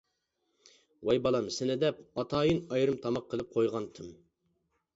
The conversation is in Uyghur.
-ۋاي بالام سېنى دەپ ئاتايىن ئايرىم تاماق قىلىپ قويغانتىم.